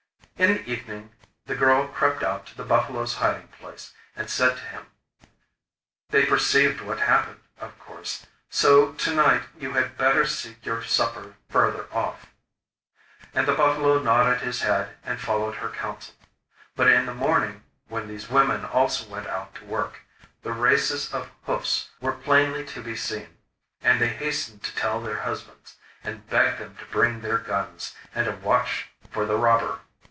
In the evening the girl crept out to the buffalo's hiding place, and said to him: 'They perceived what happened, of course; so to night you had better seek your supper further off.' And the buffalo nodded his head and followed her counsel; but in the morning, when these women also went out to work, the races of hoofs were plainly to be seen, and they hastened to tell their husbands, and begged them to bring their guns, and to watch for the robber.